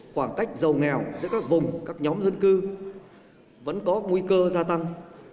khoảng cách giàu nghèo giữa các vùng các nhóm dân cư vẫn có nguy cơ gia tăng